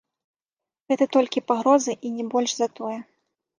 Гэта толькі пагрозы, і не больш за тое.